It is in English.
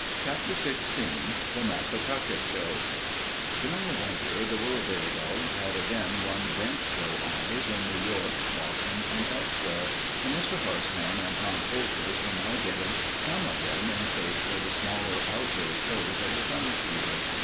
CHAPTER XVI THE MASSATUCKET SHOW During the winter the Willowdale dogs had again won bench show honors in New York, Boston, and elsewhere, and Mr. Hartshorn and Tom Poultice were now getting some of them in shape for the smaller outdoor shows of the summer season.